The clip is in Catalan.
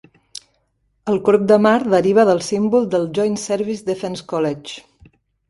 El corb de mar deriva del símbol del Joint Service Defence College.